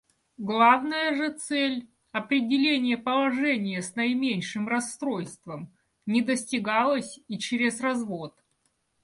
Главная же цель — определение положения с наименьшим расстройством — не достигалась и чрез развод.